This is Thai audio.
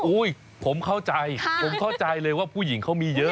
ผมเข้าใจผมเข้าใจเลยว่าผู้หญิงเขามีเยอะ